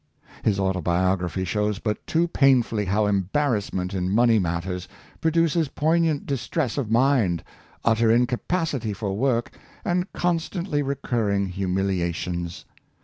His autobiography shows but too painfully how embarrassment in money matters pro duces poignant distress of mind, utter incapacity for work, and constantly recurring humiliations.